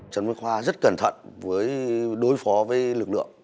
trần văn khoa rất cẩn thận với đối phó với lực lượng